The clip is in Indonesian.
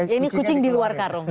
ya ini kucing di luar karung